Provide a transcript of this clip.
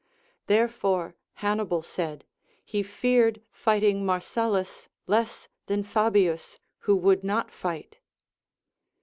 Therefore Hannibal said, he feared fighting Marcellus less than Fabius who would not fight.